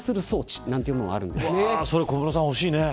小室さん欲しいね。